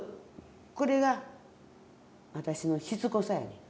これが私のしつこさやねん。